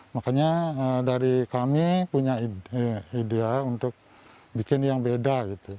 makanya dari kami punya ide untuk bikin yang beda